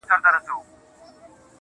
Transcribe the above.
پرون مي دومره درته وژړله.